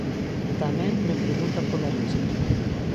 Tamén me pregunta pola Risga.